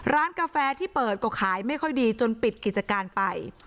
กาแฟที่เปิดก็ขายไม่ค่อยดีจนปิดกิจการไป